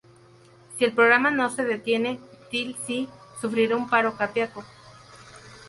Si el programa no se detiene, Teal'c sufrirá un paro cardiaco.